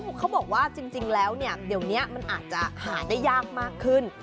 เขาบอกว่าจริงแล้วเนี่ยเดี๋ยวนี้มันอาจจะหาได้ยากมากขึ้น